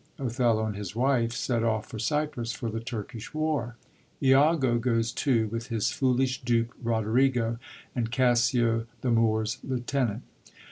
Othello and his wife set off for Cyprus for the Turkish war. lago goes too, with his foolish dupe Roderigo, and Cassio the Moor*s lieutenant.